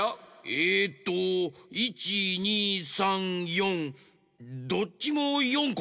えっと１２３４どっちも４こ？